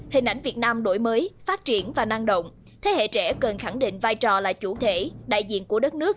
hình ảnh việt nam đổi mới phát triển và năng động thế hệ trẻ cần khẳng định vai trò là chủ thể đại diện của đất nước